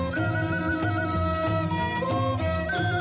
จริง